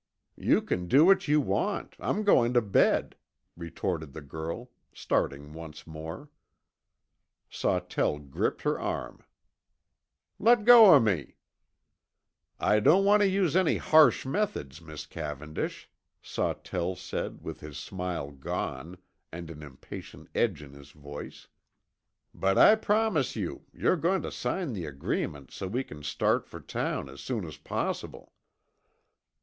"You can do what you want, I'm going to bed," retorted the girl, starting once more. Sawtell gripped her arm. "Let go of me!" "I don't want to use any harsh methods, Miss Cavendish," Sawtell said with his smile gone, and an impatient edge to his voice. "But I promise you, you're going to sign the agreement so we can start for town as soon as possible."